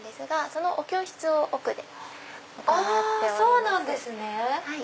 そうなんですね！